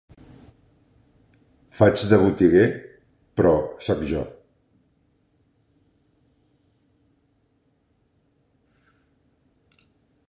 Faig de botiguer, però soc jo.